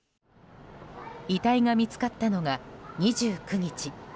遺体が見つかったのが２９日。